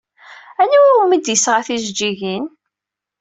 Anwa umi d-yesɣa tijeǧǧigin?